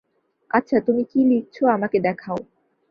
আচ্ছা, তুমি কী লিখছ আমাকে দেখাও।